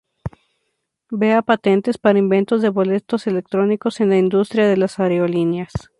Vea patentes para inventos de boletos electrónicos en la industria de las Aerolíneas.